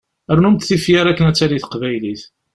Rnumt tifyar akken ad tali teqbaylit.